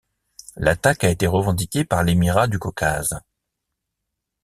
L'attaque a été revendiquée par l'Émirat du Caucase.